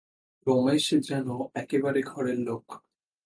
রমেশ যেন একেবারে ঘরের লোক।